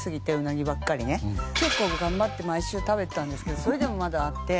結構頑張って毎週食べてたんですけどそれでもまだあって。